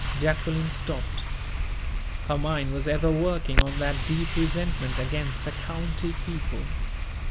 Jacqueline stopped. Her mind was ever working on that deep resentment against her county people.